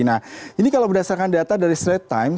jadi kalau berdasarkan data dari slate time